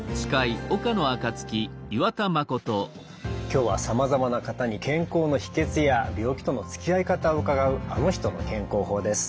今日はさまざまな方に健康の秘けつや病気とのつきあい方を伺う「あの人の健康法」です。